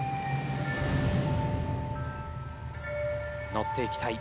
乗っていきたい。